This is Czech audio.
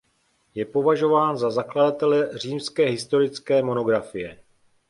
Je považován za zakladatele římské historické monografie.